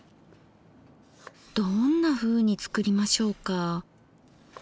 どんなふうに作りましょうか。